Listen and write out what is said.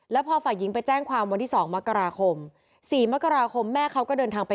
แล้วพอฝ่ายหญิงไปแจ้งความวันที่๒มกราคม๔มกราคมแม่เขาก็เดินทางไป